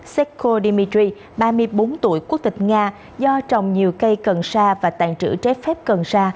sécr dmitry ba mươi bốn tuổi quốc tịch nga do trồng nhiều cây cần sa và tàn trữ trái phép cần sa